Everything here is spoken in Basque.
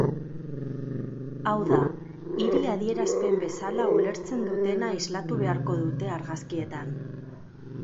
Hau da, hiri adierazpen bezala ulertzen dutena islatu beharko dute argazkietan.